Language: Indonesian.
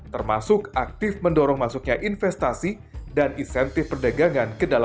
termasuk aktif mendorong masuknya investasi dan isentif perdagangan di negara